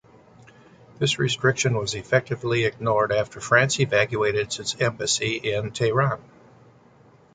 This restriction was effectively ignored after France evacuated its embassy in Tehran.